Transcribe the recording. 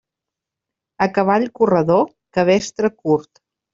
A cavall corredor, cabestre curt.